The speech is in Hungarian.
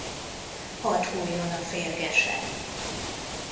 Hadd hulljon a férgese.